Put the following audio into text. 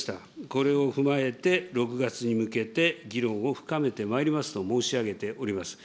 これを踏まえて、６月に向けて議論を深めてまいりますと申し上げております。